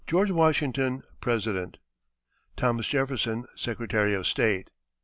WASHINGTON, President. "THOMAS JEFFERSON, "Secy of State."